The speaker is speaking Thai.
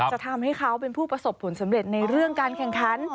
จะทำให้เขาเป็นผู้ประสบผลสำเร็จในเรื่องการแข่งขัน